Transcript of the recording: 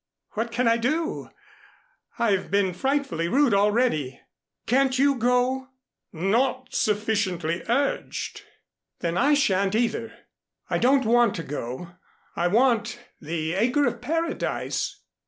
"What can I do? I've been frightfully rude already. Can't you go?" "Not sufficiently urged." "Then I shan't either. I don't want to go. I want the acre of Paradise."